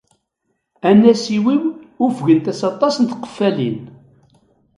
Anasiw-iw ufgent-as aṭas n tqeffalin.